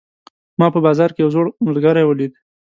ما په بازار کې یو زوړ ملګری ولید